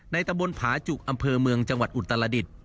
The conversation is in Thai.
ตะบนผาจุกอำเภอเมืองจังหวัดอุตรดิษฐ์